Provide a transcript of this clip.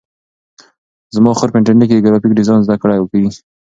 زما خور په انټرنیټ کې د گرافیک ډیزاین زده کړه کوي.